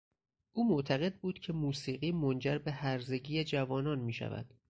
او معتقد بود که موسیقی منجر به هرزگی جوانان میشود.